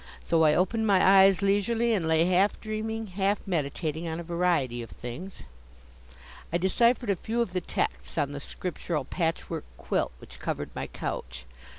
So I opened my eyes leisurely and lay half dreaming, half meditating on a variety of things. I deciphered a few of the texts on the scriptural patchwork quilt which covered my couch.